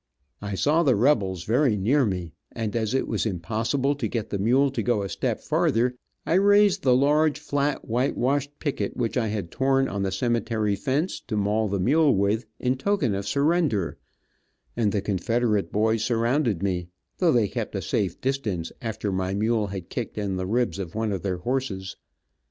I saw the rebels very near me, and as it was impossible to get the mule to go a step farther, I raised the large, flat, white washed picket which I had torn on the cemetery fence to maul the mule with, in token of surrender, and the Confederate boys surrounded me, though they kept a safe distance, after my mule had kicked in the ribs of one of their horses.